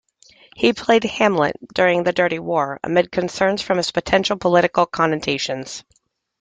He played "Hamlet" during the Dirty War, amid concerns for its potential political connotations.